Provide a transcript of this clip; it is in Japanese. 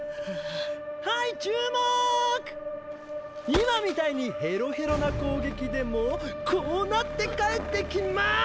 今みたいにヘロヘロな攻撃でもこうなって返ってきまーす！！